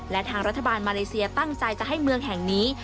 และทางรัฐบาลมาเลเซียตั้งใจจะให้เมืองแห่งนี้